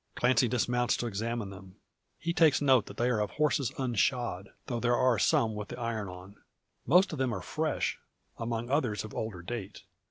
Clancy dismounts to examine them. He takes note, that they are of horses unshod; though there are some with the iron on. Most of them are fresh, among others of older date.